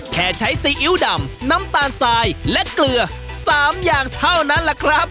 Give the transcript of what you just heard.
แค่ใช้ซีอิ๊วดำน้ำตาลทรายและเกลือ๓อย่างเท่านั้นแหละครับ